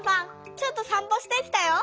ちょっとさんぽしてきたよ。